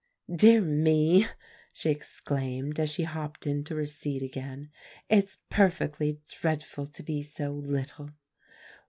"Dear me!" she exclaimed, as she hopped into her seat again, "it's perfectly dreadful to be so little.